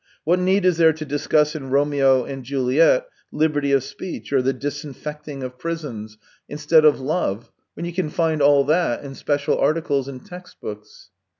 What need is there to discuss in ' Romeo and Juliet,' liberty of speech, or the disinfecting of prisons, THREE YEARS 255 instead of love, when you can find all that in special articles and textbooks